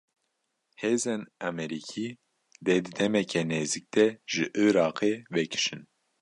Hêzên Emerîkî, dê di demeke nêzik de ji Iraqê vekişin